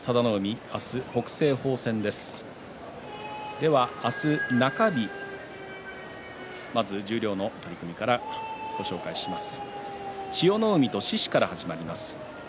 では明日、中日十両の取組からご紹介します。